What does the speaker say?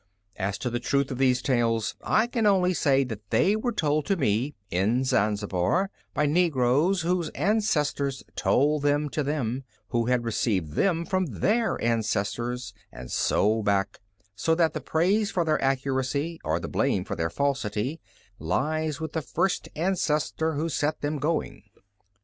As to the truth of these tales, I can only say that they were told to me, in Zanzibar, by negroes whose ancestors told them to them, who had received them from their ancestors, and so back; so that the praise for their accuracy, or the blame for their falsity, lies with the first ancestor who set them going.